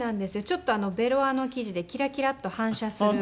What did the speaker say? ちょっとベロアの生地でキラキラと反射する。